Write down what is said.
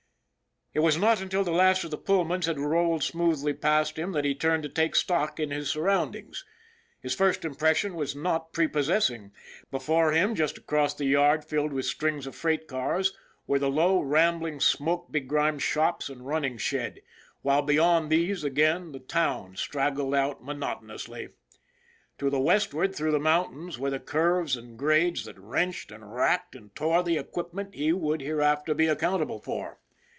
It was not until the last of the Pullmans had rolled smoothly past him that he turned to take stock in his surroundings. The first impression was not prepos sessing. Before him, just across the yard filled with strings of freight cars, were the low, rambling, smoke begrimed shops and running shed, while beyond these again the town straggled out monotonously. To the westward, through the mountains, were the curves and grades that wrenched and racked and tore the equipment he would hereafter be accountable for.